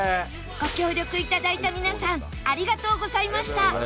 ご協力頂いた皆さんありがとうございました